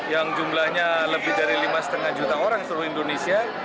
yang jumlahnya lebih dari lima lima juta orang seluruh indonesia